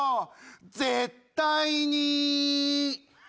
絶対に。